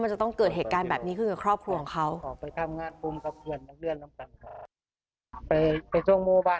จะต้องเกิดเหตุการณ์แบบนี้ขึ้นกับครอบครัวของเขา